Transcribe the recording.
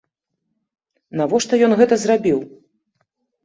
Навошта ён гэта зрабіў?